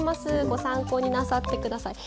ご参考になさってください。